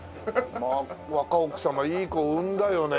若奥様いい子を産んだよね